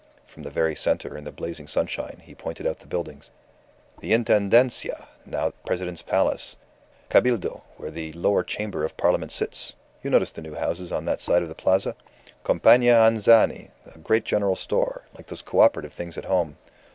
From the very centre, in the blazing sunshine, he pointed out the buildings "The Intendencia, now President's Palace Cabildo, where the Lower Chamber of Parliament sits. You notice the new houses on that side of the Plaza? Compania Anzani, a great general store, like those cooperative things at home.